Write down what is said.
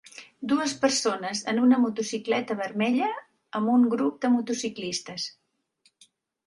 Dues persones en una motocicleta vermella amb un grup de motociclistes.